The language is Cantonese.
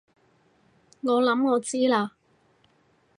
我諗我知喇